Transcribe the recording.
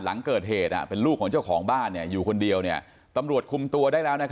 หลังเกิดเหตุอะเป็นลูกของเจ้าของบ้านอยู่คนเดียว